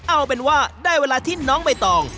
เอาเป็นว่าได้เวลาที่น้องใบตอง